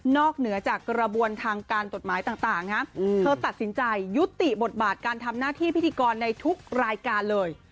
เหนือจากกระบวนทางการกฎหมายต่างนะเธอตัดสินใจยุติบทบาทการทำหน้าที่พิธีกรในทุกรายการเลย